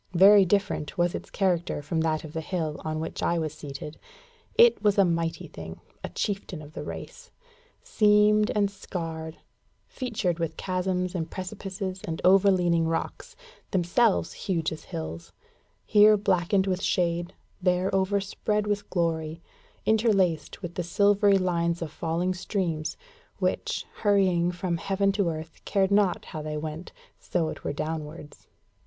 Very different was its character from that of the hill on which I was seated. It was a mighty thing, a chieftain of the race, seamed and scarred, featured with chasms and precipices and over leaning rocks, themselves huge as hills; here blackened with shade, there overspread with glory; interlaced with the silvery lines of falling streams, which, hurrying from heaven to earth, cared not how they went, so it were downwards.